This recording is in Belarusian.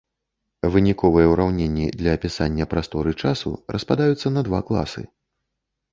Выніковыя ўраўненні для апісання прасторы-часу распадаюцца на два класы.